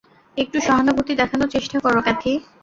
একটু সহানুভূতি দেখানোর চেষ্টা করো, ক্যাথি!